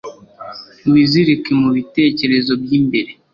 Wizirike mubitekerezo byimbere